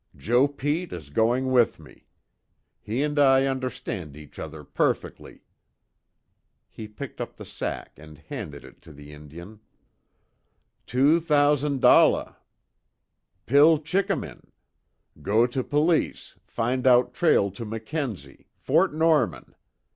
Joe Pete is going with me. He and I understand each other perfectly." He picked up the sack and handed it to the Indian: "Two thousand dolla pil chikimin. Go to police, find out trail to Mackenzie Fort Norman.